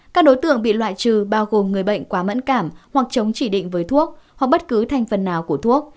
các đối tượng bị loại trừ bao gồm người bệnh quá mẫn cảm hoặc chống chỉ định với thuốc hoặc bất cứ thành phần nào của thuốc